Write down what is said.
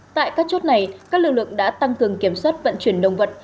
tại các chốt này các lực lượng đã tăng cường kiểm soát vận chuyển động vật